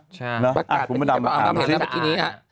ใช่ประกาศปิดประกาศประกาศเป็นที่นี้ฮะ